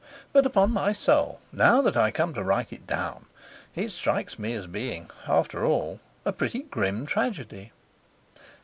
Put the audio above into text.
But upon my soul, now that I come to write it down, it strikes me as being, after all, a pretty grim tragedy.